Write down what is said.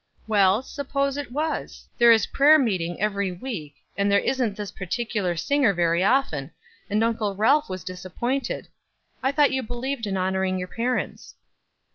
"Well, suppose it was. There is prayer meeting every week, and there isn't this particular singer very often, and Uncle Ralph was disappointed. I thought you believed in honoring your parents."